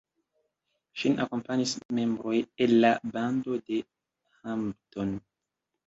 Ŝin akompanis membroj el la bando de Hampton.